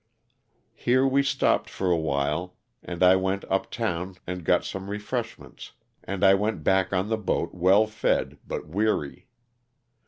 Here we stopped for a while and I went up town and got some refreshments, and I went back on the boat well fed but weary.